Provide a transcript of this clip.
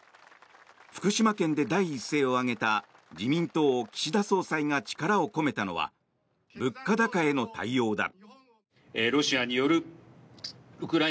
福島県で第一声を上げた自民党、岸田総裁が力を込めたのは物価高への対応だ。